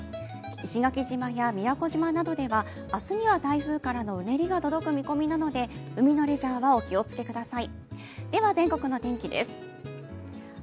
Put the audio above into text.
石垣島や宮古島などでは明日には台風のうねりが届く見込みなので海のレジャーはお気を付けください。